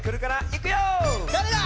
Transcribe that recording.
いくよ！